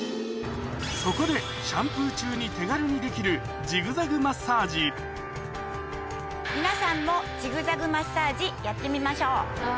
そこでシャンプー中に手軽にできる皆さんもジグザグマッサージやってみましょう。